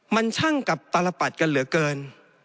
มันช่างกับตลปัดกันเหลือเกิน